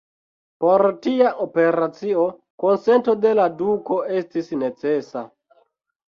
Por tia operacio, konsento de la duko estis necesa.